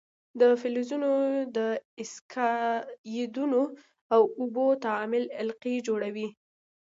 د فلزونو د اکسایدونو او اوبو تعامل القلي جوړوي.